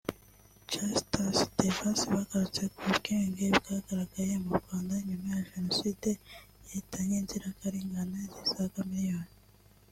Justus Devadas bagarutse ku bwiyunge bwagaragaye mu Rwanda nyuma ya Jenoside yahitanye inzirakarengane zisaga miliyoni